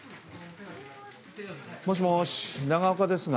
もしもし永岡ですが。